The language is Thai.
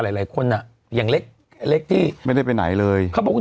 หลายคนอ่ะอย่างเล็กเล็กที่ไม่ได้ไปไหนเลยเขาบอกว่า